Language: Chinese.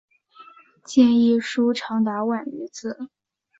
建议书长达万余字。